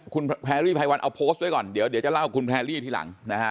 คุณแพรรี่ไพรวันเอาโพสต์ไว้ก่อนเดี๋ยวจะเล่าคุณแพรรี่ทีหลังนะฮะ